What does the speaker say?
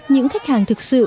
những khách hàng thực sự